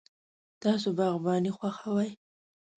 تاسو باغباني خوښوئ؟